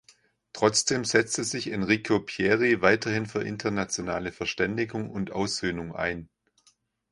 Trotzdem setzte sich Enrico Pieri weiterhin für internationale Verständigung und Aussöhnung ein.